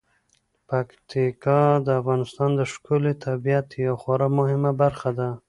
پکتیکا د افغانستان د ښکلي طبیعت یوه خورا مهمه برخه ده.